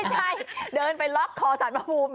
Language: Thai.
ใช่เดินไปล็อกคอสารพระภูมิ